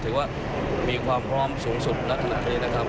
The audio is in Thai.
ถือว่ามีความพร้อมสูงสุดณขณะนี้นะครับ